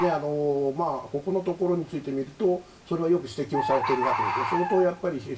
ここのところについて見ると、それはよく指摘されているわけですね。